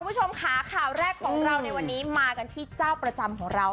คุณผู้ชมค่ะข่าวแรกของเราในวันนี้มากันที่เจ้าประจำของเรา